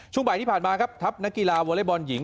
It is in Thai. ช่วงบ่ายที่ผ่านมาครับทัพนักกีฬาวอเล็กบอลหญิง